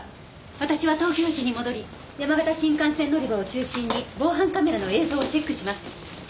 私は東京駅に戻り山形新幹線乗り場を中心に防犯カメラの映像をチェックします。